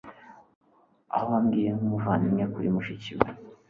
aho wambwiye nkumuvandimwe kuri mushiki we